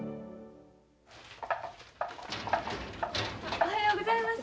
おはようございます。